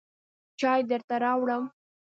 چای درته راوړم.